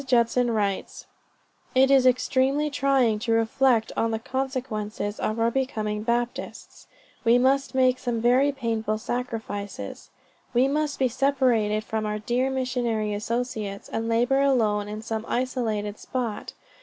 Judson writes: "It is extremely trying to reflect on the consequences of our becoming Baptists. We must make some very painful sacrifices." "We must be separated from our dear missionary associates, and labor alone in some isolated spot.